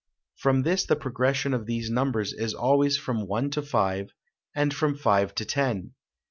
From this the progression of these numbers is always from one to five, and from five to ten.